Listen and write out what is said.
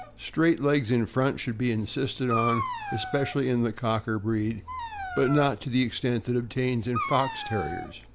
Straight legs in front should be insisted upon, especially in the Cocker breed, but not to the extent that obtains in Fox Terriers.